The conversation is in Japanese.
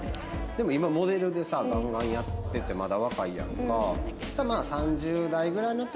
でも今モデルでさガンガンやっててまだ若いやんか。